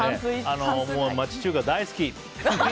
町中華大好き！